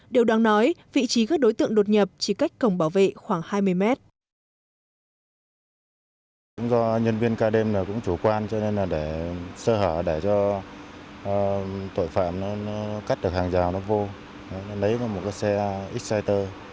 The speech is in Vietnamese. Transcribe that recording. điều đáng nói vị trí các đối tượng đột nhập chỉ cách cổng bảo vệ khoảng hai mươi mét